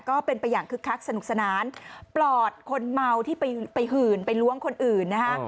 ก็เป็นไปอย่างคึกคักสนุกสนานปลอดคนเมาที่ไปหื่นไปล้วงคนอื่นนะฮะ